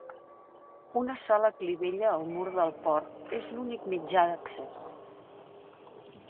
Una sola clivella al mur del port és l'únic mitjà d'accés.